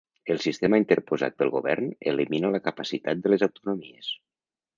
El sistema interposat pel govern elimina la capacitat de les autonomies.